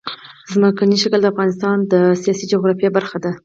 ځمکنی شکل د افغانستان د سیاسي جغرافیه برخه ده.